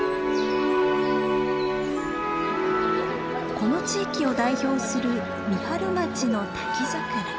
この地域を代表する三春町の「滝桜」。